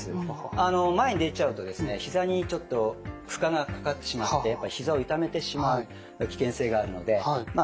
あの前に出ちゃうとひざにちょっと負荷がかかってしまってやっぱひざを痛めてしまう危険性があるのでまあ